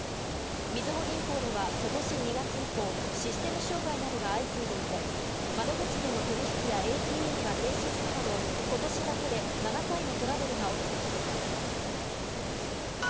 みずほ銀行では今年２月以降システム障害などが相次いでいて、窓口での取引やＡＴＭが停止するなど今年だけで７回のトラブルが起きています。